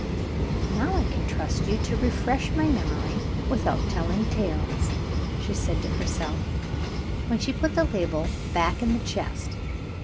"Now I can trust you to refresh my memory without telling tales," she said to herself, when she put the label back in the chest.